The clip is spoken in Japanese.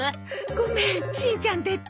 ごめんしんちゃん出て。